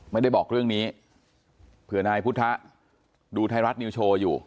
ไม่ได้บอกเรื่องนี้เผื่อนายพุทธดูไทยรัฐนิวโชว์อยู่